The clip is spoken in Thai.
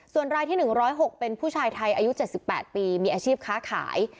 ส่วนรายที่๑๐๖เป็นผู้ชายไทยอายุ๗๘ปีมีอาชีพค้าขาย